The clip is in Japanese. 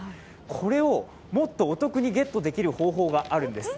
これをもっとお得にゲットできる方法があるんです。